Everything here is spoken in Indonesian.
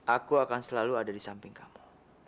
aku akan selalu ada di samping kamu